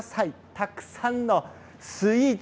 たくさんのスイーツ